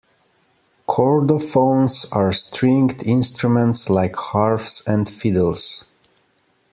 Chordophones are stringed instruments like harps and fiddles.